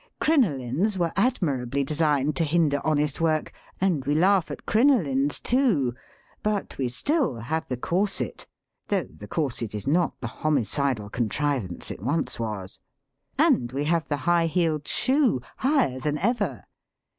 Crinolines were admirably designed to bin der honest work. And we laugh at crinolines too. But we still have the corset, though the cor set is not the homicidal contrivance it once was. And we have the high heeled shoe, higher than ever.